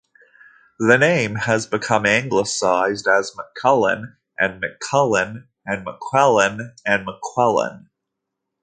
The name has become Anglicised as MacCullen and McCullen, and MacQuillan and McQuillan.